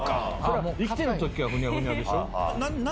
生きてる時はふにゃふにゃでしょ。